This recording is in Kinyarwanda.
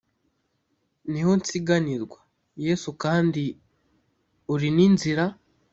niho nsiganirwa, yesu kandi uri n’inzira